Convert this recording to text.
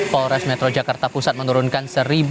polres metro jakarta pusat menurunkan satu lima ratus